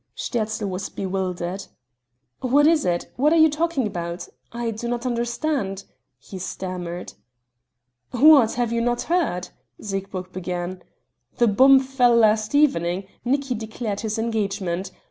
Sterzl was bewildered: "What is it what are you talking about? I do not understand," he stammered. "What, have you not heard?" Siegburg began; "the bomb fell last evening; Nicki declared his engagement.